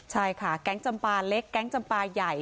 ใช่ค่ะแก๊งจำปาเล็กแก๊งจำปลาใหญ่